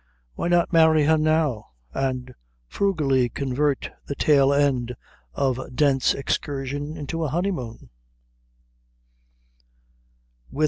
Why not marry her now, and frugally convert the tail end of Dent's Excursion into a honeymoon?